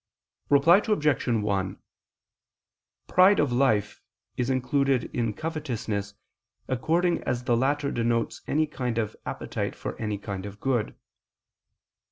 Reply Obj. 1: "Pride of life" is included in covetousness according as the latter denotes any kind of appetite for any kind of good.